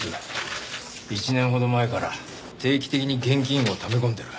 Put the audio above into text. １年ほど前から定期的に現金をため込んでる。